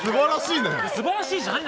すばらしいね。